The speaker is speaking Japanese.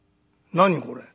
何これ？」。